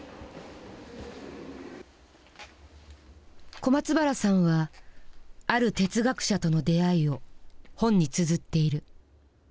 小松原さんはある哲学者との出会いを本につづっている。